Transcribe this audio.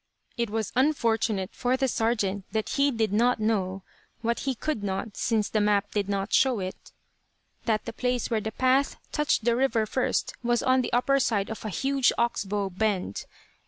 It was unfortunate for the sergeant that he did not know what he could not, since the map did not show it that the place where the path touched the river first was on the upper side of a huge "ox bow" bend.